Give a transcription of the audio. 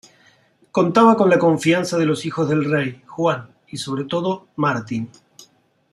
Contaba con la confianza de los hijos del rey, Juan, y sobre todo, Martín.